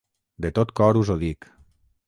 De tot cor us ho dic.